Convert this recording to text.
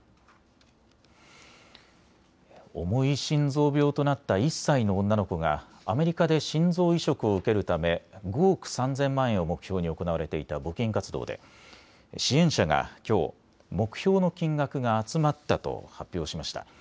重い心臓病となった１歳の女の子がアメリカで心臓移植を受けるため５億３０００万円を目標に行われていた募金活動で支援者がきょう、目標の金額が集まったと発表しました。